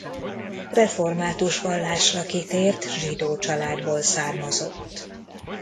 Református vallásra kitért zsidó családból származott.